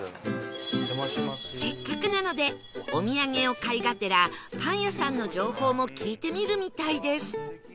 せっかくなのでお土産を買いがてらパン屋さんの情報も聞いてみるみたいです